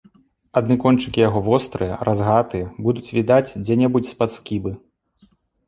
Адны кончыкі яго, вострыя, разгатыя, будуць відаць дзе-нідзе з-пад скібы.